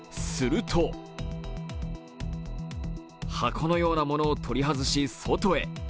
すると箱のようなものを取り外し外へ。